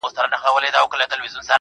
• ستا هغه ګوته طلایي چیري ده_